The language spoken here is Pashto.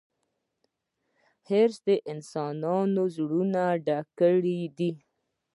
حرص د انسانانو زړونه ډک کړي دي.